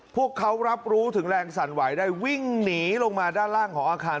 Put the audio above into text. พวกเขารับรู้ถึงแรงสั่นไหวได้วิ่งหนีลงมาด้านล่างของอาคาร